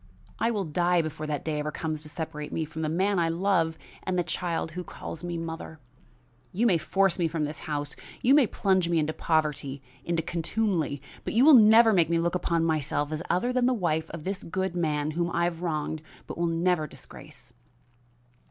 "I will die before that day ever comes to separate me from the man I love and the child who calls me mother. You may force me from this house, you may plunge me into poverty, into contumely, but you shall never make me look upon myself as other than the wife of this good man, whom I have wronged but will never disgrace."